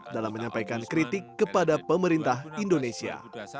dalam menyampaikan kritik kepada pemerintah indonesia